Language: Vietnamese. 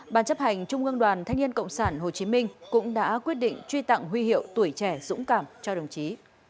ban chấp hành trung ương đoàn thanh niên cộng sản hồ chí minh cũng đã quyết định truy tặng huy hiệu tuổi trẻ dũng cảm cho đồng chí